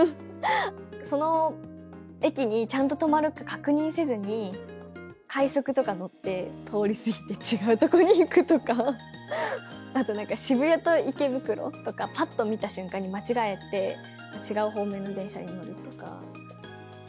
その駅にちゃんと止まるか確認せずに、快速とか乗って、通り過ぎて違う所に行くとか、あとなんか、渋谷と池袋とか、ぱっと見た瞬間に間違えて、違う方面の電車に乗るとか。